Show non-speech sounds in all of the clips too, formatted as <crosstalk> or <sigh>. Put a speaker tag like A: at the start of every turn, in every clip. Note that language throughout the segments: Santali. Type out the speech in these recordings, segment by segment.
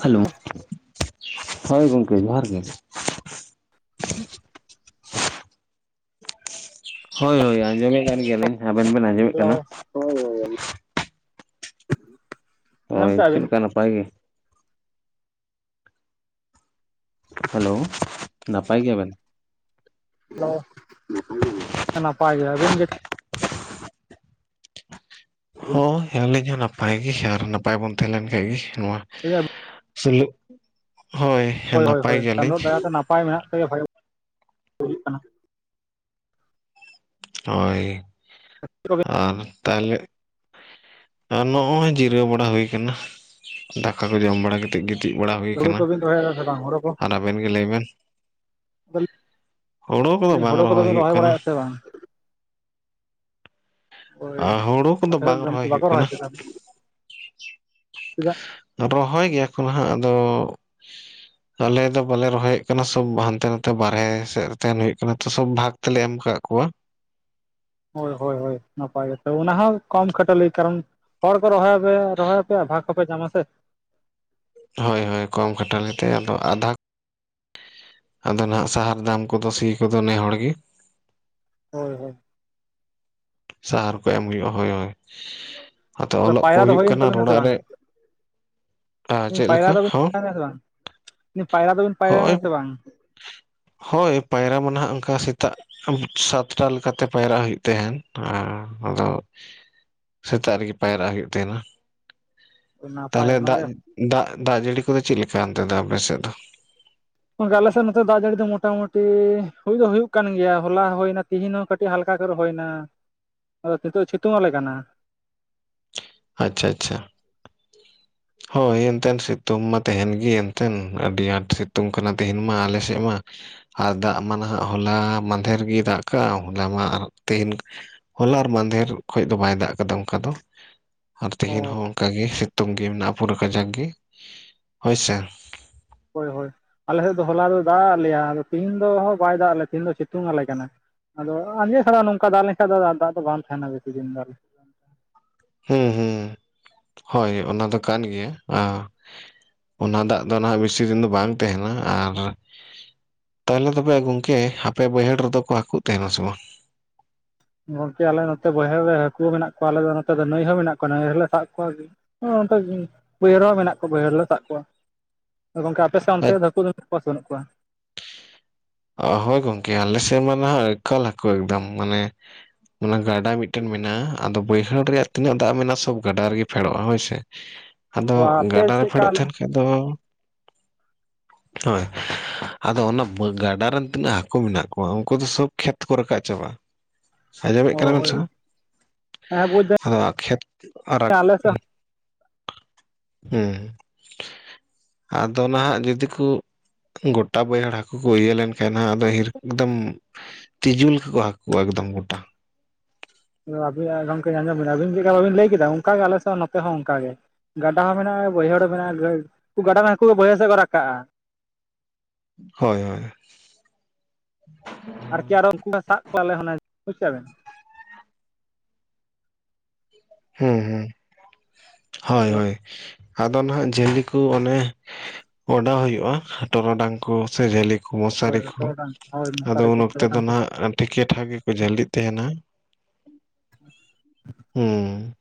A: ᱦᱮᱞᱳ ᱦᱳᱭ ᱜᱚᱢᱠᱮ ᱡᱚᱦᱟᱨ ᱜᱮ᱾
B: <inaudible>
A: ᱦᱳᱭ ᱦᱳᱭ ᱟᱸᱡᱚᱢᱮᱫ ᱠᱟᱱ ᱜᱮᱭᱟᱞᱤᱧ, ᱟᱵᱮᱱ ᱵᱮᱱ ᱟᱸᱡᱚᱢᱼᱼ
B: ᱦᱮᱞᱳ ᱦᱳᱭ ᱦᱳᱭ <unintelligible>
A: ᱦᱳᱭ ᱪᱮᱫ ᱞᱮᱠᱟ ᱱᱟᱯᱟᱭ ᱜᱮ? ᱦᱮᱞᱳ ᱱᱟᱯᱟᱭ ᱜᱮᱭᱟ ᱵᱮᱱ?
B: ᱦᱮᱞᱳ ᱱᱟᱯᱟᱭ ᱜᱮ, ᱟᱵᱤᱱ ᱜᱮ? ᱪᱮᱫ?
A: ᱦᱚᱭ ᱟᱞᱤᱧ ᱦᱚᱸ ᱱᱟᱯᱟᱭ ᱜᱮ ᱟᱨ ᱱᱟᱯᱟᱭ ᱵᱚᱱ ᱛᱟᱦᱮᱸ ᱞᱮᱱ ᱠᱷᱟᱱ ᱜᱮ ᱱᱚᱣᱟ ᱥᱩᱞᱩ <unintelligible> ᱦᱳᱭ᱾
B: ᱦᱳᱭ ᱦᱳᱭ
A: ᱱᱟᱯᱟᱭ
B: ᱦᱳᱭ
A: ᱜᱮᱭᱟᱞᱤᱧ
B: ᱪᱟᱸᱫᱳ ᱫᱟᱨᱟ ᱫᱚ ᱱᱟᱯᱟᱭ ᱢᱮᱱᱟᱜ ᱛᱟᱭᱟ ᱵᱷᱟᱜᱮ ᱵᱩᱡᱩᱜ ᱠᱟᱱᱟ᱾
A: ᱦᱳᱭ
B: <unintelligible>
A: ᱟᱨ ᱛᱟᱦᱞᱮᱼᱼ ᱟᱨ ᱱᱚᱜᱼᱚᱭ ᱡᱤᱨᱟᱹᱣ ᱵᱟᱲᱟ ᱦᱩᱭ ᱟᱠᱟᱱᱟ ᱫᱟᱠᱟ ᱠᱚ ᱡᱚᱢ ᱵᱟᱲᱟ ᱠᱟᱛᱮᱫ ᱜᱮ ᱛᱤᱡ ᱡᱤᱨᱟᱣ ᱵᱟᱲᱟ ᱦᱩᱭ
B: ᱦᱩᱲᱩ
A: ᱟᱠᱟᱱᱟ
B: ᱠᱚᱵᱤᱱ ᱨᱚᱦᱚᱭᱮᱫᱟ ᱥᱮ ᱵᱟᱝ ᱦᱩᱲᱩ ᱠᱚ
A: ᱟᱨ ᱟᱵᱮᱱ ᱜᱮ ᱞᱟᱹᱭ ᱵᱮᱱ? ᱦᱩᱲᱩ ᱠᱚᱫᱚ ᱵᱟᱝ
B: ᱦᱩᱲᱩ
A: ᱨᱚᱦᱚᱭ
B: ᱵᱤᱱ
A: ᱦᱩᱭᱩᱜ ᱠᱟᱱᱟ᱾
B: ᱵᱟᱲᱟᱭᱮᱫᱼᱟ ᱥᱮ ᱵᱟᱝ ᱦᱳᱭ
A: ᱟᱨ ᱦᱩᱲᱩ ᱠᱚᱫᱚ
B: ᱟᱯᱮ ᱥᱮᱫ
A: ᱵᱟᱝ
B: ᱫᱚ
A: ᱨᱚᱦᱚᱭ
B: ᱵᱟᱠᱚ
A: ᱦᱩᱭᱩᱜ ᱠᱟᱱᱟ᱾
B: ᱛᱮ ᱪᱮᱫᱟᱜ
A: ᱨᱚᱦᱚᱭ ᱜᱮᱭᱟ ᱠᱚ ᱦᱟᱸᱜ ᱟᱫᱚ
B: <inaudible>
A: ᱟᱞᱮ ᱫᱚ ᱵᱟᱞᱮ ᱨᱚᱦᱚᱭᱮᱫ ᱠᱟᱱᱟ ᱥᱚᱵᱽ ᱦᱟᱱᱛᱮ ᱱᱟᱛᱮ ᱵᱟᱨᱦᱮ ᱥᱮᱫ ᱨᱮ ᱛᱟᱦᱮᱱ ᱦᱩᱭᱩᱜ ᱠᱟᱱᱟ ᱛᱚ ᱥᱚᱵᱽ ᱵᱷᱟᱜᱽ ᱛᱮᱞᱮ ᱮᱢ ᱟᱠᱟᱫ ᱠᱚᱣᱟ ᱾
B: ᱦᱳᱭ ᱦᱳᱭ ᱦᱳᱭ ᱱᱟᱯᱟᱭ ᱜᱮᱛᱚ ᱚᱱᱟ ᱦᱚᱸ ᱠᱚᱢ ᱠᱷᱟᱴᱚ ᱞᱤ ᱠᱟᱨᱚᱱ ᱦᱚᱲ ᱠᱚ ᱨᱚᱦᱚᱭᱭᱟᱯᱮ ᱨᱚᱦᱚᱭᱭᱟᱯᱮᱭᱟ ᱵᱷᱟᱜᱽᱯᱮ ᱧᱟᱢᱟ ᱥᱮ
A: ᱦᱳᱭ ᱦᱳᱭ ᱠᱚᱢ ᱠᱷᱟᱹᱴᱟᱞᱤᱛᱮ ᱟᱫᱚ ᱟᱫᱷᱟ ᱟᱫᱚ ᱱᱟᱸᱜ ᱥᱟᱦᱟᱨ ᱫᱟᱢ ᱠᱚᱫᱚ ᱥᱤ ᱠᱚᱫᱚ ᱱᱮ ᱦᱚᱲ ᱜᱤ ᱾
B: ᱦᱚᱭ ᱦᱚᱭ ᱾
A: ᱥᱟᱦᱟᱨ ᱠᱚ ᱮᱢ ᱦᱩᱭᱩᱜᱼᱟ ᱦᱳᱭ ᱦᱳᱭ, ᱟᱫᱚ ᱚᱞᱚᱜ ᱠᱚ
B: ᱯᱟᱭᱨᱟ ᱫᱚ
A: ᱦᱩᱭᱩᱜ
B: ᱦᱩᱭᱮᱱ
A: ᱠᱟᱱᱟ
B: ᱛᱟᱵᱤᱱᱟ ᱥᱮ
A: ᱚᱲᱟᱜ
B: ᱵᱟᱝ
A: ᱨᱮ ᱾
B: ᱯᱟᱭᱨᱟ ᱫᱚᱵᱮᱱ ᱯᱟᱭᱨᱟ ᱯᱟᱭᱨᱟ ᱫᱚᱵᱮᱱ ᱯᱟᱭᱨᱟ ᱭᱮᱱᱟ ᱥᱮ ᱵᱟᱝ ᱯᱟᱭᱨᱟ ᱫᱚᱵᱮᱱ ᱯᱟᱭᱨᱟ
A: ᱦᱳᱭ
B: ᱭᱮᱱᱟ ᱥᱮ ᱵᱟᱝ?
A: ᱦᱳᱭ ᱯᱟᱭᱨᱟ ᱢᱟ ᱱᱟᱸᱜ ᱚᱱᱠᱟ ᱥᱮᱛᱟᱜ <unintelligible> ᱥᱟᱛᱴᱟ ᱞᱮᱠᱟᱛᱮ ᱯᱟᱭᱨᱟᱜ ᱦᱩᱭᱩᱜ ᱛᱟᱦᱮᱸᱱ ᱾ ᱦᱮᱸ ᱟᱫᱚ ᱥᱮᱛᱟᱜ ᱨᱮᱜᱮ ᱯᱟᱭᱨᱟᱜ ᱦᱩᱭᱩᱜ ᱛᱟᱦᱮᱱᱟ ᱾
B: ᱱᱟᱯᱟᱭ
A: ᱛᱟᱦᱞᱮ
B: ᱚᱱᱟᱜᱮ
A: ᱫᱟᱜ, ᱫᱟᱜ, ᱫᱟᱜ ᱡᱟᱹᱲᱤ ᱠᱚᱫᱚ ᱪᱮᱫ ᱞᱮᱠᱟ ᱚᱱᱛᱮ ᱫᱚ ᱟᱯᱮ ᱥᱮᱫ ᱫᱚ?
B: ᱟᱞᱮ ᱥᱮᱫ ᱱᱚᱛᱮ ᱫᱟᱜ ᱡᱟᱹᱲᱤ ᱫᱚ ᱢᱚᱴᱟᱢᱩᱴᱤ, ᱦᱩᱭ ᱫᱚ ᱦᱩᱭᱩᱜ ᱠᱟᱱ ᱜᱮᱭᱟ ᱦᱚᱞᱟ ᱦᱩᱭᱱᱟ ᱛᱤᱦᱤᱧ ᱦᱚᱸ ᱠᱟᱹᱴᱤᱡ ᱦᱟᱹᱞᱠᱟ ᱜᱚᱨᱚᱢ ᱦᱩᱭᱱᱟ ᱟᱫᱚ ᱱᱤᱸᱛᱚᱜ ᱥᱤᱛᱩᱝ ᱟᱞᱮ ᱠᱟᱱᱟ ᱾
A: ᱟᱪᱪᱷᱟ ᱟᱪᱪᱷᱟ ᱾
B: <unintelligible>
A: ᱦᱚᱭ ᱮᱱᱛᱮᱱ ᱥᱤᱛᱩᱝ ᱢᱟ ᱛᱟᱦᱮᱱ ᱜᱮᱸ ᱮᱱᱛᱮᱱ ᱟᱹᱰᱤ ᱟᱸᱴ ᱥᱤᱛᱩᱝ ᱠᱟᱱᱟ ᱛᱮᱦᱤᱧ ᱢᱟ ᱟᱞᱮ ᱥᱮᱫ ᱢᱟ ᱾ ᱟᱨ ᱫᱟᱜ ᱢᱟ ᱱᱟᱸᱜ ᱦᱚᱞᱟ ᱢᱟᱫᱷᱮᱨ ᱜᱮᱭ ᱫᱟᱜ ᱠᱟᱜᱼᱟ ᱦᱚᱞᱟ ᱢᱟ ᱟᱨ ᱛᱮᱦᱤᱧ ᱦᱚᱞᱟ ᱟᱨ ᱢᱟᱹᱫᱷᱮᱨ ᱠᱷᱚᱡ ᱫᱚ ᱵᱟᱭ ᱫᱟᱜ ᱟᱠᱟᱫᱟ ᱚᱱᱠᱟ ᱫᱚ ᱾ ᱟᱨ ᱛᱮᱦᱮᱧ
B: ᱚ
A: ᱦᱚᱸ ᱚᱱᱠᱟ ᱜᱮ ᱥᱤᱛᱩᱝ ᱜᱮ ᱢᱮᱱᱟᱜᱼᱟ ᱯᱩᱨᱟᱹ ᱠᱟᱹᱡᱟᱠ ᱜᱮ ᱦᱚᱭ ᱥᱮ
B: ᱦᱳᱭ ᱦᱳᱭ, ᱟᱞᱮ ᱥᱮᱫ ᱫᱚ ᱦᱚᱞᱟ ᱫᱚ ᱫᱟᱜ ᱟᱫ ᱞᱮᱭᱟ ᱟᱫᱚ ᱛᱤᱦᱤᱧ ᱫᱚ ᱵᱟᱭ ᱫᱟᱜ ᱟᱞᱮᱭᱟ ᱛᱮᱦᱮᱧ ᱫᱚᱭ ᱥᱤᱛᱩᱝ ᱟᱞᱮ ᱠᱟᱱᱟ ᱾ ᱟᱫᱚ ᱟᱸᱡᱮᱫ ᱪᱷᱟᱲᱟ ᱱᱚᱝᱠᱟ ᱫᱟᱜ ᱞᱮᱱᱠᱷᱟᱱ ᱫᱚ ᱫᱟᱜ ᱫᱚ ᱵᱟᱝ ᱛᱟᱦᱮᱱᱟ ᱵᱮᱥᱤ ᱫᱤᱱ ᱫᱚ ᱾ <unintelligible>
A: ᱦᱩᱸ ᱦᱩᱸ ᱦᱳᱭ ᱚᱱᱟ ᱫᱚ ᱠᱟᱱ ᱜᱮᱭᱟ ᱟ ᱚᱱᱟ ᱫᱟᱜ ᱫᱚ ᱱᱟᱦᱟᱜ ᱵᱮᱥᱤ ᱫᱤᱱ ᱫᱚ ᱵᱟᱝ ᱛᱟᱦᱮᱱᱟ ᱟᱨ ᱛᱟᱦᱚᱞᱮ ᱛᱚᱵᱮ ᱜᱚᱝᱠᱮ ᱦᱟᱯᱮ ᱵᱟᱹᱭᱦᱟᱹᱲ ᱨᱮᱫᱚ ᱠᱚ ᱦᱟᱹᱠᱩᱜ ᱛᱟᱦᱮᱱᱟ ᱥᱮ ᱵᱟᱝ?
B: ᱜᱚᱝᱠᱮ ᱟᱞᱮ ᱱᱚᱛᱮ ᱵᱟᱹᱭᱦᱟᱹᱲ ᱨᱮ ᱦᱟᱹᱠᱩ ᱢᱮᱱᱟᱜ ᱠᱚᱣᱟ, ᱟᱞᱮ ᱫᱚ ᱱᱚᱛᱮ ᱫᱚ ᱱᱟᱹᱭ ᱦᱚᱸ ᱢᱮᱱᱟᱜ ᱠᱚᱣᱟ ᱱᱟᱹᱭ ᱨᱮᱞᱮ ᱥᱟᱵ ᱠᱚᱣᱟ ᱾ ᱚ ᱱᱚᱛᱮ ᱵᱟᱹᱭᱦᱟᱹ ᱦᱚᱸ ᱢᱮᱱᱟᱜ ᱠᱚᱣᱟ ᱵᱟᱹᱭᱦᱟᱹᱲ ᱨᱮᱞᱮ ᱥᱟᱵ ᱠᱚᱣᱟ ᱾ ᱦᱚᱭ ᱜᱚᱝᱠᱮ ᱟᱯᱮ ᱥᱮᱱ ᱚᱱᱛᱮ
A: ᱵᱟᱝ
B: ᱫᱚ ᱦᱟᱹᱠᱩ ᱫᱚ ᱢᱮᱱᱟᱜ ᱠᱚᱣᱟ ᱥᱮ ᱵᱟᱹᱱᱩᱜ ᱠᱚᱣᱟ?
A: ᱚ ᱦᱚᱭ ᱜᱚᱝᱠᱮ, ᱟᱞᱮ ᱥᱮᱫ ᱢᱟ ᱱᱟᱸᱜ ᱮᱠᱟᱞ ᱦᱟᱹᱠᱩ ᱮᱠᱫᱚᱢ ᱢᱟᱱᱮ ᱩᱱᱟᱜᱟᱱ ᱟᱨ ᱢᱤᱫᱴᱮᱱ ᱢᱮᱱᱟᱜᱼᱟ ᱟᱫᱚ ᱵᱟᱹᱭᱦᱟᱹᱲ ᱨᱮᱭᱟᱜ ᱛᱤᱱᱟᱹᱜ ᱫᱟᱜ ᱢᱮᱱᱟᱜᱼᱟ ᱥᱚᱵ ᱜᱟᱰᱟ ᱨᱮᱜᱮ ᱯᱷᱮᱰᱚᱜᱼᱟ ᱦᱚᱭ ᱥᱮ ᱾ ᱟᱫᱚ
B: ᱚ ᱟᱯᱮ
A: ᱜᱟᱰᱟ ᱨᱮ
B: ᱪᱮᱫᱠᱟ
A: ᱯᱷᱮᱰᱚᱜ
B: ᱟᱞᱮ
A: ᱛᱟᱦᱮᱱ ᱟᱫᱚ ᱦᱚᱭ, ᱟᱫᱚ ᱚᱱᱟ ᱵᱟᱸ ᱜᱟᱼᱼ ᱫᱟᱜ ᱨᱮᱱ ᱛᱤᱱᱟᱹᱜ ᱦᱟᱹᱠᱩ ᱢᱮᱱᱟᱜ ᱠᱚᱣᱟ ᱩᱱᱠᱩ ᱫᱚ ᱥᱚᱵᱽ ᱠᱷᱮᱛ ᱠᱚ ᱨᱟᱠᱟᱵ ᱪᱟᱵᱟᱜᱼᱟ ᱾ ᱟᱸᱡᱚᱢᱮᱫ
B: ᱚ
A: ᱠᱟᱱᱟ ᱵᱮᱱ
B: ᱦᱳᱭ
A: ᱥᱮ
B: ᱦᱳᱭ
A: ᱵᱟᱝ,
B: ᱦᱮᱸ ᱵᱩᱡᱽ
A: ᱟᱫᱚ ᱠᱷᱮᱛ ᱟᱨᱟᱜ,
B: ᱫᱟᱹᱧ ᱟᱞᱮ ᱥᱮᱫ
A: ᱦᱩᱸ ᱟᱫᱚ ᱱᱟᱜ ᱡᱩᱫᱤ ᱠᱩ ᱜᱚᱴᱟ ᱵᱟᱹᱭᱦᱟᱹᱲ ᱦᱟᱹᱠᱩ ᱠᱩ ᱤᱭᱟᱹ ᱞᱮᱱᱼᱼ ᱮᱱᱟᱹᱜ ᱟᱫᱚ ᱮᱠᱫᱚᱢ ᱛᱤᱡᱩᱞ ᱞᱟᱠᱟ ᱠᱚ ᱦᱟᱹᱠᱩᱣᱟ ᱮᱠᱫᱚᱢ ᱜᱚᱴᱟ
B: ᱟᱵᱤ ᱱᱟᱜ ᱨᱚᱲ ᱤᱧ ᱟᱸᱡᱚᱢ ᱠᱮᱫᱟ ᱟᱵᱤᱱ ᱪᱮᱫ ᱞᱮᱠᱟ ᱵᱟᱵᱤᱱ ᱞᱟᱹᱭ ᱠᱮᱫᱟ ᱚᱱᱠᱟ ᱜᱮ ᱟᱞᱮ ᱥᱮᱫ ᱱᱚᱛᱮ ᱦᱚᱸ᱾ ᱚᱱᱠᱟ ᱜᱮ ᱜᱟᱰᱟ ᱦᱚᱸ ᱢᱮᱱᱟᱜᱼᱟ ᱵᱟᱹᱭᱦᱟᱹᱲ ᱦᱚᱸ ᱢᱮᱱᱟᱜᱼᱟ, ᱜᱟᱭ ᱩᱱᱠᱩ ᱜᱟᱰᱟ ᱨᱮᱱ ᱦᱟᱹᱠᱩ ᱫᱚ ᱵᱟᱹᱭᱦᱟᱹᱲ ᱥᱮᱫ ᱠᱚ ᱨᱟᱠᱟᱜᱼᱟ ᱾
A: ᱦᱚᱭ ᱦᱚᱭ ᱾ <inaudible>
B: ᱟᱨᱠᱤ ᱟᱨᱚ ᱩᱱᱠᱩ ᱟᱞᱮ ᱦᱚᱸ ᱞᱮ ᱥᱟᱵ ᱠᱚᱣᱟᱞᱮ ᱵᱩᱡᱽ ᱠᱮᱜ-ᱟ ᱵᱮᱱ ᱾
A: ᱦᱩᱸ ᱦᱩᱸ, ᱦᱚᱭ ᱦᱚᱭ ᱾ ᱟᱫᱚ ᱱᱟᱜ ᱡᱷᱟᱹᱞᱤ ᱠᱚ ᱚᱱᱮ ᱚᱰᱟᱣ ᱦᱩᱭᱩᱜᱼᱟ ᱴᱚᱨᱚᱰᱟᱝ ᱠᱚ ᱥᱮ ᱡᱷᱟᱹᱞᱤ ᱠᱚᱼᱼ ᱢᱚᱥᱟᱨᱤ ᱠᱚ
B: ᱴᱚᱨᱚᱰᱟᱝ ᱦᱳᱭ
A: ᱟᱫᱚ
B: ᱢᱚᱥᱟᱨᱤ ᱠᱚ
A: ᱩᱱ ᱚᱠᱛᱮ
B: ᱴᱚᱨᱚᱰᱟᱝ
A: ᱫᱚ
B: ᱠᱚ
A: ᱱᱟᱜ ᱟᱹᱰᱤ <unintelligible> ᱜᱮ ᱠᱚ ᱡᱷᱟᱹᱞᱤᱜ ᱛᱟᱦᱮᱱᱟ ᱾
B: <inaudible>
A: ᱩᱸ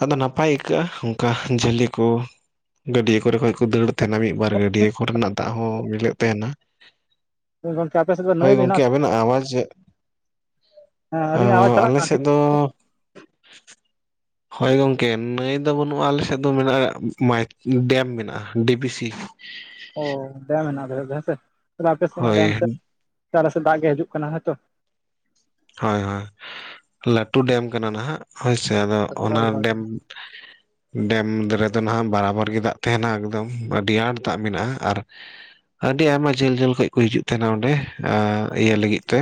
A: ᱟᱫᱚ ᱱᱟᱯᱟᱭ ᱟᱹᱭᱠᱟᱹᱜᱼᱟ ᱚᱱᱠᱟ ᱡᱷᱟᱹᱞᱤ ᱠᱚ ᱜᱟᱹᱰᱭᱟᱹ ᱠᱚᱨᱮ ᱠᱷᱚᱱ ᱠᱚ ᱫᱟᱹᱲᱼᱼ ᱛᱟᱦᱮᱱᱟ ᱢᱤᱫ ᱵᱟᱨ ᱜᱟᱹᱰᱭᱟᱹ ᱠᱚ ᱨᱮᱱᱟᱜ ᱫᱟᱜ ᱦᱚᱸ ᱢᱤᱞᱟᱹᱜ ᱛᱟᱦᱮᱱᱟ᱾
B: ᱜᱚᱝᱠᱮ ᱟᱯᱮ ᱥᱮᱫ ᱫᱚ ᱱᱟᱹᱭ
A: ᱦᱳᱭ
B: ᱫᱚ
A: ᱜᱚᱢᱠᱮ
B: ᱦᱮᱱᱟᱜ ᱥᱮ
A: ᱟᱵᱮᱱᱟᱜ ᱟᱣᱟᱡ
B: ᱦᱮᱸ
A: ᱚ
B: ᱟᱹᱞᱤᱧᱟᱜ ᱟᱣᱟᱡᱽ ᱪᱟᱞᱟᱜ
A: ᱟᱞᱮ
B: ᱠᱟᱱᱟ
A: ᱥᱮᱫ
B: ᱴᱷᱤᱠ
A: ᱫᱚ ᱦᱳᱭ ᱜᱚᱝᱠᱮ ᱱᱟᱹᱭ ᱫᱚ ᱵᱟᱹᱱᱩᱜᱼᱟ ᱟᱞᱮ ᱥᱮᱫ ᱫᱚ ᱢᱮᱱᱟᱜᱼᱟ ᱢᱟᱭ ᱰᱮᱢ ᱢᱮᱱᱟᱜᱼᱟ ᱰᱤᱵᱤᱥᱤ,
B: ᱚ ᱰᱮᱢ ᱦᱮᱱᱟᱜ ᱠᱟᱫᱟ ᱦᱮᱸᱥᱮ ᱛᱮ ᱟᱯᱮ ᱥᱮᱫ ᱢᱟ ᱰᱮᱢ
A: ᱦᱳᱭ
B: ᱥᱮᱫ ᱛᱟᱨ ᱟᱞᱮ ᱥᱮᱫ ᱫᱟᱜ ᱜᱮ ᱦᱤᱡᱩᱜ ᱠᱟᱱᱟ ᱦᱚᱭ ᱛᱚ᱾
A: ᱦᱳᱭ ᱦᱳᱭ ᱞᱟᱹᱴᱩ ᱰᱮᱢ ᱠᱟᱱᱟ ᱱᱟᱦᱟᱜ ᱦᱳᱭ ᱥᱮ ᱟᱫᱚ ᱚᱱᱟ
B: ᱦᱳᱭ
A: ᱰᱮᱢ
B: <unintelligible>
A: ᱰᱮᱢ ᱨᱮᱫᱚ ᱱᱟᱦᱟᱸᱜ ᱵᱟᱨᱟᱵᱚᱨ ᱜᱮ ᱫᱟᱜ ᱛᱟᱦᱮᱱᱟ ᱮᱠᱫᱚᱢ ᱟᱹᱰᱤ ᱟᱸᱴ ᱫᱟᱜ ᱢᱮᱱᱟᱜᱼᱟ, ᱟᱨ ᱟᱹᱰᱤ ᱟᱭᱢᱟ ᱡᱷᱟᱹᱞ ᱡᱷᱟᱹᱞ ᱠᱷᱚᱡ ᱠᱚ ᱦᱤᱡᱩᱜ ᱛᱟᱦᱮᱱᱟ ᱚᱸᱰᱮ ᱤᱭᱟᱹ ᱞᱟᱹᱜᱤᱫ ᱛᱮ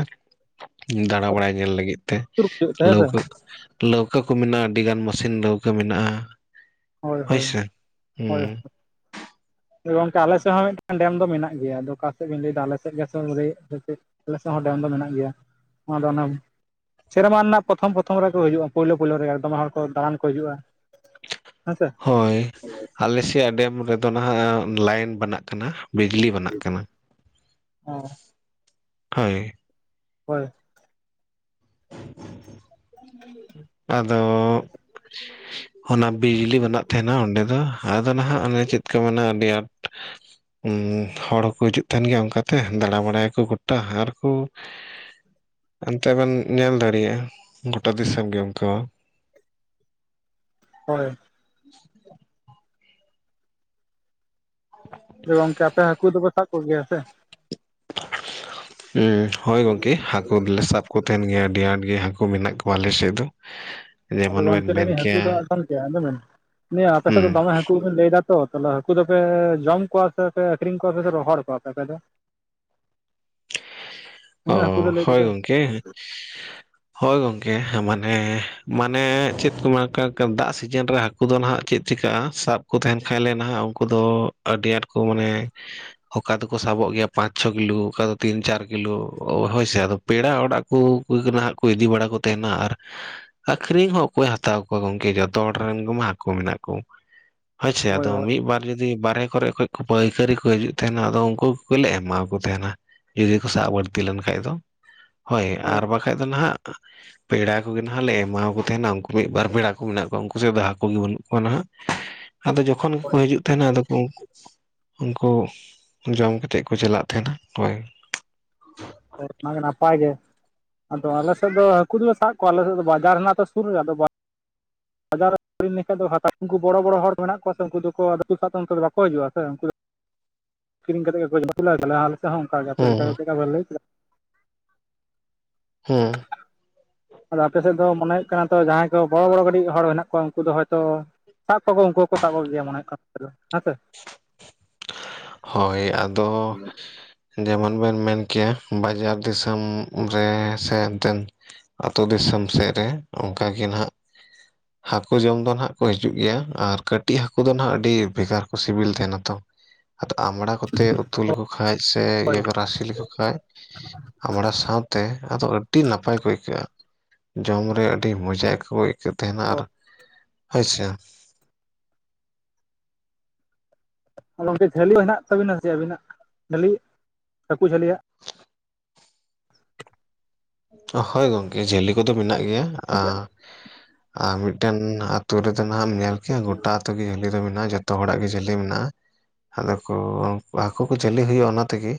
A: ᱫᱟᱬᱟ ᱵᱟᱲᱟᱭ ᱧᱮᱞ ᱞᱟᱹᱜᱤᱫ ᱛᱮ,
B: ᱦᱤᱡᱩᱜ ᱛᱮ ᱦᱮᱸ ᱥᱮ
A: ᱞᱟᱹᱣᱠᱟᱹ ᱞᱟᱹᱣᱠᱟᱹ ᱠᱚ ᱢᱮᱱᱟᱜᱼᱟ ᱟᱹᱰᱤ ᱜᱟᱱ ᱢᱮᱥᱤᱱ ᱞᱟᱹᱣᱠᱟᱹ ᱢᱮᱱᱟᱜᱼᱟ ᱦᱳᱭ ᱥᱮ,
B: ᱦᱳᱭ ᱜᱚᱝᱠᱮ ᱟᱞᱮ ᱥᱮᱫ ᱦᱚᱸ ᱢᱤᱫᱴᱟᱝ ᱰᱮᱢ ᱫᱚ ᱢᱮᱱᱟᱜ ᱜᱮᱭᱟ ᱟᱫᱚ ᱚᱠᱟ ᱥᱮᱫ ᱵᱮᱱ ᱞᱟᱹᱭ ᱮᱫᱟ ᱟᱞᱮ ᱥᱮᱫ ᱜᱮ <unintelligible> ᱟᱞᱮ ᱥᱮᱫ ᱦᱚᱸ ᱰᱮᱢ ᱫᱚ ᱢᱮᱱᱟᱜ ᱜᱮᱭᱟ ᱱᱚᱣᱟ ᱫᱚ ᱚᱱᱮ ᱥᱮᱨᱢᱟ ᱨᱮᱱᱟᱜ ᱯᱨᱚᱛᱷᱚᱢ ᱯᱨᱚᱛᱷᱚᱢ ᱨᱮᱠᱚ ᱦᱤᱡᱩᱜ-ᱟ ᱯᱳᱭᱞᱳ ᱯᱳᱭᱞᱳ ᱨᱮ ᱫᱚᱢᱮ ᱦᱚᱲ ᱠᱚ ᱫᱟᱬᱟᱱ ᱠᱚ ᱦᱤᱡᱩᱜ-ᱟ᱾
A: ᱦᱳᱭ ᱟᱞᱮ ᱥᱮᱭᱟᱜ ᱰᱮᱢ ᱨᱮᱫᱚ ᱱᱟᱦᱟᱜ ᱞᱟᱭᱤᱱ ᱵᱮᱱᱟᱜ ᱠᱟᱱᱟ᱾ ᱵᱤᱡᱽᱞᱤ ᱵᱮᱱᱟᱜ ᱠᱟᱱᱟ
B: ᱚ
A: ᱦᱳᱭ᱾
B: ᱦᱳᱭ᱾
A: ᱟᱫᱚ ᱚᱱᱟ ᱵᱤᱡᱽᱞᱤ ᱵᱮᱱᱟᱜ ᱛᱟᱦᱮᱱᱟ ᱚᱸᱰᱮ ᱫᱚ ᱟᱫᱚ ᱱᱟᱦᱟᱜ ᱚᱱᱟ ᱪᱮᱫ ᱠᱚ ᱢᱮᱱᱟ ᱟᱹᱰᱤ ᱟᱸᱴ ᱦᱚᱲ ᱦᱚᱸᱠᱚ ᱦᱤᱡᱩᱜ ᱛᱟᱦᱮᱱ ᱜᱮᱭᱟ ᱚᱱᱠᱟᱛᱮ ᱫᱟᱬᱟ ᱵᱟᱲᱟᱭᱟ ᱠᱚ ᱜᱚᱴᱟ, ᱟᱨᱠᱚ ᱚᱱᱛᱮ ᱵᱮᱱ ᱧᱮᱞ ᱫᱟᱲᱮᱭᱟᱜᱼᱟ ᱜᱚᱴᱟ ᱫᱤᱥᱚᱢ ᱜᱮ ᱚᱱᱠᱟᱣᱟ᱾
B: ᱦᱳᱭ᱾
A: <unintelligible>
B: ᱡᱮ ᱜᱚᱝᱠᱮ ᱟᱯᱮ ᱦᱟᱹᱠᱩ ᱫᱚᱯᱮ ᱥᱟᱵ ᱠᱚ ᱜᱮᱭᱟ ᱥᱮ,
A: ᱦᱚᱭ ᱜᱚᱝᱠᱮ ᱦᱟᱹᱠᱩ ᱫᱚᱞᱮ ᱥᱟᱵ ᱠᱚᱛᱮᱱ ᱜᱮᱭᱟ ᱟᱹᱰᱤ ᱟᱸᱴ ᱜᱮ ᱦᱟᱹᱠᱩ ᱢᱮᱱᱟᱜ ᱠᱚᱣᱟ ᱟᱞᱮ ᱥᱮᱫ ᱫᱚ,
B: ᱟᱫᱚ
A: ᱡᱮᱢᱚᱱ ᱵᱮᱱ
B: ᱜᱚᱢᱠᱮ ᱞᱟᱭ
A: ᱢᱮᱱ
B: ᱫᱟᱸᱧ ᱦᱟᱹᱠᱩ ᱫᱚ
A: ᱠᱮᱭᱟ
B: ᱜᱚᱢᱠᱮ ᱟᱡᱚᱢ ᱵᱮᱱ ᱱᱤᱭᱟᱹ ᱟᱯᱮ ᱥᱮᱫ ᱫᱚ
A: ᱦᱩᱸ
B: ᱫᱚᱢᱮ ᱦᱟᱹᱠᱩ ᱞᱟᱹᱭ ᱫᱟ ᱛᱚ ᱛᱟᱦᱚᱞᱮ ᱦᱟᱹᱠᱩ ᱫᱚᱯᱮ ᱡᱚᱢ ᱠᱚᱣᱟ ᱥᱮᱯᱮ ᱟᱠᱷᱨᱤᱧ ᱠᱚᱣᱟ ᱥᱮ ᱯᱮ ᱨᱚᱦᱚᱲ ᱠᱚᱣᱟᱯᱮ ᱟᱯᱮ ᱫᱚ?
A: ᱚ
B: ᱩᱱᱟᱹᱜ ᱦᱟᱹᱠᱩ ᱫᱚ ᱞᱟᱹᱭ
A: ᱦᱳᱭ
B: ᱫᱟᱯᱮ
A: ᱜᱚᱢᱠᱮ, ᱦᱳᱭ ᱜᱚᱝᱠᱮ ᱢᱟᱱᱮ ᱢᱟᱱᱮ ᱪᱮᱫ ᱠᱚ <unintelligible> ᱫᱟᱜ ᱥᱤᱡᱤᱱ ᱨᱮ ᱦᱟᱹᱠᱩ ᱩᱱᱠᱩ ᱫᱚ ᱱᱟᱦᱟᱸᱜ ᱪᱮᱫ ᱪᱤᱠᱟᱹᱜ-ᱟ ᱥᱟᱵ ᱠᱚ ᱛᱟᱦᱮᱱ ᱠᱷᱟᱡ ᱞᱮ ᱱᱟᱦᱟᱸᱜ ᱩᱱᱠᱩ ᱫᱚ ᱟᱹᱰᱤ ᱟᱸᱴ ᱠᱚ ᱢᱟᱱᱮ ᱚᱠᱟ ᱫᱚᱠᱚ ᱥᱟᱵᱚᱜ ᱜᱮᱭᱟ ᱯᱟᱸᱪ ᱪᱷᱚ ᱠᱤᱞᱳ ᱚᱠᱟ ᱫᱚ ᱛᱤᱱ ᱪᱟᱨ ᱠᱤᱞᱳ ᱦᱳᱭ ᱥᱮ ᱟᱫᱚ ᱯᱮᱲᱟ ᱚᱲᱟᱜ ᱠᱚ ᱠᱚ ᱱᱟᱸᱜ ᱤᱫᱤ ᱵᱟᱲᱟ ᱠᱚ ᱛᱟᱦᱮᱱᱟ, ᱟᱨ ᱟᱠᱷᱨᱤᱧ ᱦᱚᱸ ᱚᱠᱚᱭ ᱦᱟᱛᱟᱣ ᱠᱚᱣᱟ ᱜᱚᱝᱠᱮ ᱡᱚᱛᱚ ᱦᱚᱲ ᱨᱮᱱ ᱜᱮᱢᱟ ᱦᱟᱹᱠᱩ ᱢᱮᱱᱟᱜ ᱠᱚ᱾ ᱦᱳᱭ ᱥᱮ ᱟᱫᱚ ᱢᱤᱫ ᱵᱟᱨ ᱡᱩᱫᱤ ᱡᱩᱫᱤ ᱵᱟᱨᱦᱮ ᱠᱚᱨᱮ ᱠᱷᱚᱡ ᱯᱟᱹᱭᱠᱟᱹᱨᱤ ᱠᱚ ᱦᱤᱡᱩᱜ ᱛᱟᱦᱮᱱᱟ ᱟᱫᱚ ᱩᱱᱠᱩ ᱠᱚᱜᱮᱞᱮ ᱮᱢᱟᱣᱟ ᱠᱚ ᱛᱟᱦᱮᱱᱟ᱾ ᱡᱩᱫᱤ ᱠᱚ ᱥᱟᱵ ᱵᱟᱹᱲᱛᱤ ᱞᱮᱱ ᱠᱷᱟᱡ ᱫᱚ ᱦᱳᱭ ᱟᱨ ᱵᱟᱠᱷᱟᱡ ᱫᱚ ᱱᱟᱦᱟᱸᱜ ᱯᱮᱲᱟ ᱠᱚᱜᱮ ᱱᱟᱦᱟᱸᱜ ᱞᱮ ᱮᱢᱟᱣᱟ ᱠᱚ ᱛᱟᱦᱮᱱᱟ ᱩᱱᱠᱩ ᱢᱤᱫ ᱵᱟᱨ ᱯᱮᱲᱟ ᱠᱚ ᱢᱮᱱᱟᱜ ᱠᱚᱣᱟ ᱩᱱᱠᱩ ᱥᱮᱫ ᱫᱚ ᱦᱟᱹᱠᱩ ᱜᱮ ᱵᱟᱹᱱᱩᱜ ᱠᱚᱣᱟ ᱱᱟᱦᱟᱸᱜ᱾ ᱟᱫᱚ <unintelligible> ᱡᱚᱠᱷᱚᱱ ᱜᱮᱠᱚ
B: ᱦᱳᱭ
A: ᱦᱤᱡᱩᱜ ᱛᱟᱦᱮᱱᱟ ᱟᱫᱚ ᱠᱚ ᱩᱱᱠᱩ ᱩᱱᱠᱩ ᱡᱚᱢ ᱠᱟᱛᱮᱫ ᱠᱚ ᱪᱟᱞᱟᱜ ᱛᱟᱦᱮᱱᱟ᱾ ᱦᱚᱭ ᱾
B: <unintelligible> ᱱᱟᱭ ᱱᱟᱯᱟᱭ ᱜᱮ ᱟᱫᱚ ᱟᱞᱮ ᱥᱮᱫ ᱫᱚ ᱦᱟᱹᱠᱩ ᱫᱚᱞᱮ ᱥᱟᱵ ᱠᱚᱣᱟ ᱟᱞᱮ ᱥᱮᱫ ᱫᱚ ᱵᱟᱡᱟᱨ ᱦᱮᱱᱟᱜ ᱛᱚ ᱥᱩᱨ ᱨᱮ ᱟᱫᱚ ᱵᱟᱡᱟᱨ <unintelligible> ᱞᱮᱠᱷᱟᱡ ᱫᱚ ᱦᱟᱹᱠᱩ ᱩᱱᱠᱩ ᱵᱚᱲᱚ ᱵᱚᱲᱚ ᱦᱚᱲ ᱢᱮᱱᱟᱜ ᱠᱚᱣᱟ ᱥᱮ ᱩᱱᱠᱩ ᱫᱚ <unintelligible> ᱦᱤᱡᱩᱜᱼᱟ ᱥᱮ ᱩᱱᱠᱩ ᱠᱤᱨᱤᱧ ᱠᱟᱛᱮᱫ ᱜᱮ <unintelligible> ᱦᱚᱸ ᱚᱱᱠᱟ ᱜᱮ ᱟᱯᱮ ᱞᱮᱠᱟ ᱪᱮᱫ
A: ᱦᱩᱸ
B: ᱞᱮᱠᱟ ᱯᱮ ᱞᱟᱹᱭ ᱠᱮᱫᱟ,
A: ᱦᱩᱸ
B: ᱟᱫᱚ ᱟᱯᱮ ᱥᱮᱫ ᱫᱚ ᱢᱚᱱᱮ ᱦᱩᱭᱩᱜ ᱠᱟᱱᱟ ᱛᱚ ᱡᱟᱦᱟᱸᱭ ᱠᱚ ᱵᱚᱲᱚ ᱵᱚᱲᱚ ᱠᱟᱴᱤᱡ ᱦᱚᱲ ᱦᱮᱱᱟᱜ ᱠᱚᱣᱟ ᱩᱱᱠᱩ ᱫᱚ ᱦᱚᱭᱛᱚ ᱥᱟᱵ <unintelligible> ᱩᱱᱠᱩ ᱦᱚᱸᱠᱚ ᱥᱟᱵ ᱠᱚᱜᱮᱭᱟ ᱢᱚᱱᱮ ᱠᱟᱱᱟ ᱦᱮᱸᱥᱮ
A: ᱦᱳᱭ ᱟᱫᱚ ᱡᱮᱢᱚᱱ ᱵᱮᱱ ᱢᱮᱱ ᱠᱮ ᱵᱟᱡᱟᱨ ᱫᱤᱥᱚᱢ ᱨᱮ ᱥᱮ ᱚᱱᱛᱮᱱ ᱟᱛᱳ ᱫᱤᱥᱚᱢ ᱥᱮᱫ ᱨᱮ ᱚᱱᱠᱟ ᱜᱮ ᱱᱟᱜᱼᱼ ᱦᱟᱹᱠᱩ ᱡᱚᱢ ᱫᱚ ᱱᱟᱜ ᱠᱚ ᱦᱤᱡᱩᱜ ᱜᱮᱭᱟ ᱟᱨ ᱠᱟᱹᱴᱤᱡ ᱦᱟᱹᱠᱩ ᱫᱚ ᱱᱟᱜ ᱟᱹᱰᱤ ᱵᱷᱮᱜᱟᱨ ᱠᱚ ᱥᱤᱵᱤᱞ ᱛᱟᱦᱮᱱᱟ ᱛᱚᱼᱼ
B: <unintelligible>
A: ᱟᱫᱚ ᱟᱢᱲᱟ ᱠᱚᱛᱮ ᱩᱛᱩ ᱞᱮᱠᱚ ᱠᱷᱟᱡ ᱥᱮ ᱤᱭᱟᱹ ᱠᱚ ᱨᱟᱥᱮ ᱞᱮᱠᱚ ᱠᱷᱟᱡ ᱟᱢᱲᱟ ᱥᱟᱶᱼᱼ ᱛᱮ ᱟᱫᱚ ᱟᱹᱰᱤ ᱱᱟᱯᱟᱭ ᱠᱚ ᱟᱹᱭᱠᱟᱹᱜᱼᱟ ᱡᱚᱢ ᱨᱮ ᱟᱹᱰᱤ ᱢᱚᱡᱟ ᱟᱹᱭᱠᱟᱣᱹ ᱮᱫ ᱠᱟᱱ ᱛᱟᱦᱮᱱᱟ ᱟᱨ ᱦᱳᱭ ᱥᱮ
B: ᱜᱚᱱᱠᱮ ᱡᱷᱟᱹᱞᱤ ᱦᱮᱱᱟᱜ ᱛᱟᱵᱤᱱᱟ ᱥᱮ ᱟᱹᱵᱤᱱᱟᱜ ᱡᱷᱟᱹᱞᱤ ᱦᱟᱹᱠᱩ ᱡᱷᱟᱹᱞᱤᱭᱟᱜ
A: ᱦᱳᱭ ᱜᱚᱝᱠᱮ ᱡᱷᱟᱹᱞᱤ ᱠᱚᱫᱚ ᱢᱮᱱᱟᱜ ᱜᱮᱭᱟ ᱟᱨ ᱢᱤᱫᱴᱮᱱ ᱟᱛᱩ ᱨᱮᱫᱚ ᱱᱟᱦᱟᱜ ᱮᱢ ᱧᱮᱞ ᱠᱮᱭᱟ ᱜᱚᱴᱟ ᱟᱛᱳ ᱜᱮ ᱡᱟᱹᱞᱤ ᱫᱚ ᱢᱮᱱᱟᱜᱼᱟ ᱡᱚᱛᱚ ᱦᱚᱲᱟᱜ ᱜᱮ ᱡᱷᱟᱹᱞᱤ ᱢᱮᱱᱟᱜᱼᱟ ᱟᱫᱚ ᱠᱚ ᱦᱟᱹᱠᱩ ᱠᱚ ᱡᱷᱟᱹᱞᱤ ᱦᱩᱭᱩᱜᱼᱟ ᱚᱱᱟ ᱛᱮᱜᱮ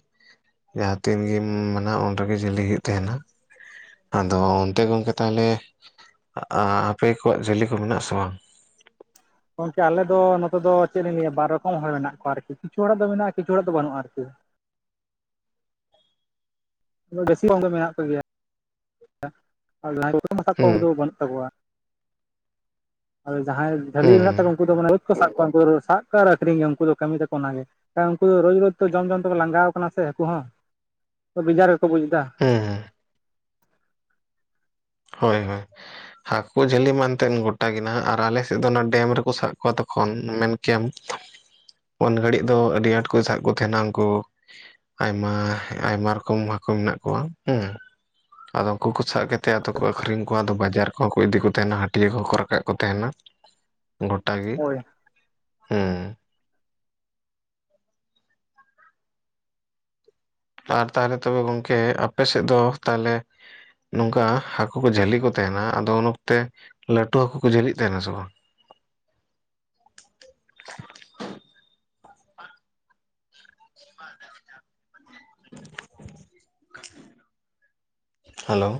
A: ᱡᱟᱦᱟᱸ ᱛᱤᱱ ᱜᱮᱢ ᱢᱮᱱᱟ ᱩᱱ ᱨᱮᱜᱮ ᱡᱷᱟᱞᱤ ᱦᱩᱭᱩᱜ ᱛᱟᱦᱮᱱᱟ᱾ ᱟᱫᱚ ᱚᱱᱛᱮ ᱜᱚᱝᱠᱮ ᱛᱟᱦᱚᱞᱮ ᱟᱯᱮ ᱠᱚᱣᱟᱜ ᱡᱷᱟᱞᱤ ᱠᱚ ᱢᱮᱱᱟᱜ ᱟᱥᱮ ᱵᱟᱝ?
B: ᱜᱚᱝᱠᱮ ᱟᱞᱮ ᱫᱚ ᱱᱚᱛᱮ ᱫᱚ ᱪᱮᱫ ᱞᱤᱧ ᱞᱟᱹᱭᱟ ᱵᱟᱨ ᱨᱚᱠᱚᱢ ᱦᱚᱲ ᱢᱮᱱᱟᱜ ᱠᱚᱣᱟ ᱟᱨᱠᱤ ᱠᱤᱪᱷᱩ ᱦᱚᱲᱟᱜ ᱫᱚ ᱢᱮᱱᱟᱜᱼᱟ ᱠᱤᱪᱷᱩ ᱦᱚᱲᱟᱜ ᱫᱚ ᱵᱟᱹᱱᱩᱜᱼᱟ ᱟᱨᱠᱤ <inaudible> <unintelligible> ᱵᱟᱹᱱᱩᱜ
A: ᱦᱩᱸ
B: ᱛᱟᱠᱚᱣᱟ ᱟᱫᱚ ᱡᱟᱦᱟᱸᱭ ᱡᱷᱟᱹᱞᱤ
A: ᱦᱩᱸ
B: ᱢᱮᱱᱟᱜ ᱛᱟᱠᱚ ᱩᱱᱠᱩ ᱫᱚ ᱢᱟᱱᱮ <inaudible> ᱥᱟᱵ ᱠᱚᱣᱟ ᱟᱨ ᱟᱠᱷᱨᱤᱧ ᱜᱮ ᱩᱱᱠᱩ ᱫᱚ ᱠᱟᱹᱢᱤ ᱛᱟᱠᱚ ᱚᱱᱟᱜᱮ᱾ ᱟᱨ ᱩᱱᱠᱩ ᱨᱳᱡ ᱨᱳᱡᱽ ᱛᱚ ᱡᱚᱢ ᱡᱚᱢ ᱛᱮᱠᱚ ᱞᱟᱸᱜᱟᱣ ᱠᱟᱱᱟ ᱥᱮ ᱦᱟᱹᱠᱩ ᱦᱚᱸ ᱵᱮᱡᱟᱨ ᱜᱮᱠᱚ ᱵᱩᱡ ᱮᱫᱟᱼᱼ
A: ᱦᱩᱸ ᱦᱩᱸ ᱦᱳᱭ ᱦᱳᱭ᱾ ᱦᱟᱹᱠᱳ ᱡᱷᱟᱹᱞᱤ ᱢᱮᱱᱛᱮᱱ ᱜᱚᱴᱟ ᱜᱮ ᱱᱟᱦᱟᱜ ᱟᱨ ᱟᱞᱮᱥᱮᱫ ᱫᱚ ᱚᱱᱟ ᱰᱮᱢ ᱨᱮᱠᱚ ᱥᱟᱵ ᱠᱚᱣᱟ ᱛᱚᱠᱷᱚᱱ ᱢᱮᱱᱼᱼ ᱠᱮᱢᱯ ᱩᱱ ᱜᱷᱟᱹᱲᱤᱡ ᱫᱚ ᱟᱹᱰᱤ ᱟᱸᱴ ᱠᱚ ᱥᱟᱵ ᱠᱚ ᱛᱟᱦᱮᱱᱟ ᱩᱱᱠᱩᱼᱼ ᱟᱭᱢᱟ ᱟᱭᱢᱟ ᱨᱚᱠᱚᱢ ᱦᱟᱹᱠᱩ ᱢᱮᱱᱟᱜ ᱠᱚᱣᱟ ᱦᱩᱸ ᱟᱫᱚ ᱩᱱᱠᱩ ᱠᱚ ᱥᱟᱵ ᱠᱮᱫᱼᱼ ᱛᱮ ᱟᱫᱚ ᱠᱚ ᱟᱠᱷᱨᱤᱧ ᱠᱚᱣᱟ ᱟᱫᱚ ᱵᱟᱡᱟᱨ ᱠᱚᱦᱚᱸ ᱠᱚ ᱤᱫᱤ ᱠᱚ ᱛᱟᱦᱮᱱᱟ ᱦᱟᱹᱴᱭᱟᱹ ᱠᱚᱦᱚᱸ ᱠᱚ ᱨᱟᱠᱟᱵ ᱠᱚ ᱛᱟᱦᱮᱱᱟ᱾ ᱜᱚᱴᱟ ᱜᱮ
B: ᱦᱳᱭ
A: ᱦᱩᱸ ᱟᱨ ᱛᱟᱦᱚᱞᱮ ᱛᱚᱵᱮ ᱜᱚᱝᱠᱮ ᱟᱯᱮ ᱥᱮᱫ ᱫᱚ ᱛᱟᱦᱚᱞᱮ ᱱᱚᱝᱠᱟ ᱦᱟᱹᱠᱩ ᱠᱚ ᱡᱷᱟᱹᱞᱤ ᱠᱚ ᱛᱟᱦᱮᱱᱟ ᱟᱫᱚ ᱩᱱ ᱚᱠᱛᱮ ᱞᱟᱹᱴᱩ ᱦᱟᱹᱠᱩ ᱠᱩ ᱡᱷᱟᱹᱞᱤᱜ ᱛᱟᱦᱮᱱᱟ ᱥᱮ ᱵᱟᱝ? ᱦᱮᱞᱳ